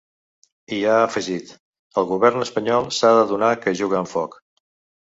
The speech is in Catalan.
I ha afegit: El govern espanyol s’ha d’adonar que juga amb foc.